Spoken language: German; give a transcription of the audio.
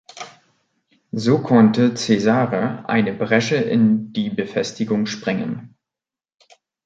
So konnte Cesare eine Bresche in die Befestigung sprengen.